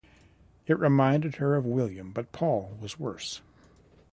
It reminded her of William; but Paul was worse.